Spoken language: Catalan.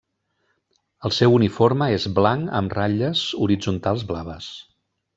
El seu uniforme és blanc amb ratlles horitzontals blaves.